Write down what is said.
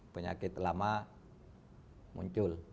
penyakit lama muncul